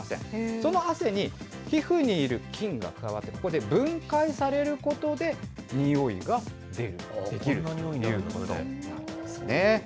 その汗に皮膚にいる菌が加わって、ここで分解されることで、においが出る、出来るということなんですね。